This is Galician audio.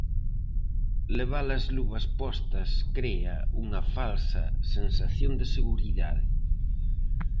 Levar as luvas postas crea unha falsa sensación de seguridade.